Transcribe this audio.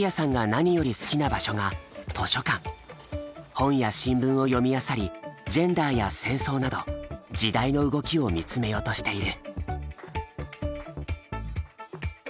本や新聞を読みあさりジェンダーや戦争など時代の動きを見つめようとしている。